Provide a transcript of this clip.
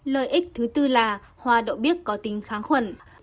lợi ích thứ tư là hòa đậu biếc có tính kháng khuẩn